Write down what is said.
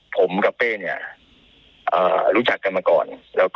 ผมกับเป้เนี่ยรู้จักกันมาก่อน